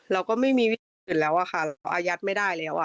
แล้วก็ไม่มีวิธีตื่นแล้วค่ะอาญาติไม่ได้เลย